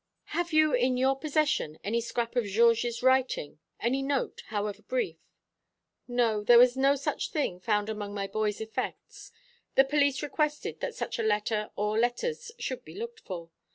"Have you in your possession any scrap of Georges' writing any note, however brief?" "No. There was no such thing found among my boy's effects. The police requested that such a letter or letters should be looked for.